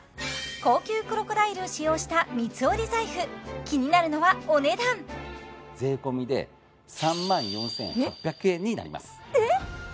高級クロコダイルを使用した三つ折り財布気になるのはお値段になりますえっ？